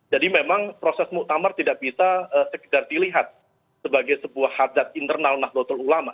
jadi memang proses muqtamar tidak bisa sekedar dilihat sebagai sebuah hadrat internal nahdlatul ulama